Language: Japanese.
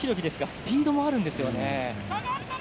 スピードもあるんですよね。